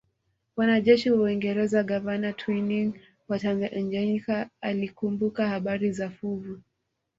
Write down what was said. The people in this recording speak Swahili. Wanajeshi wa Uingereza gavana Twining wa Tanganyika alikumbuka habari za fuvu